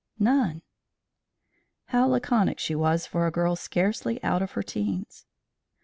"None." How laconic she was for a girl scarcely out of her teens!